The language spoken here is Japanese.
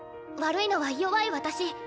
悪いのは弱い私。